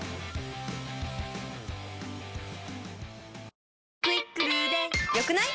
高橋さ「『クイックル』で良くない？」